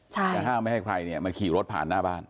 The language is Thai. จะห้ามไม่ให้ใครเนี่ยมาขี่รถผ่านหน้าบ้าน